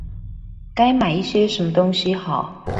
該買一些什麼東西好